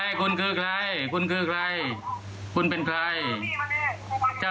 แล้วโทรมากับผมเนี่ยต้องการอะไรครับ